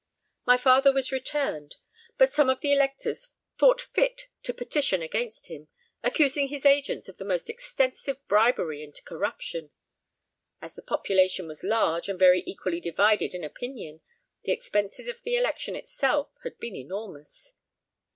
My father was returned, but some of the electors thought fit to petition against him, accusing his agents of the most extensive bribery and corruption. As the population was large and very equally divided in opinion, the expenses of the election itself had been enormous.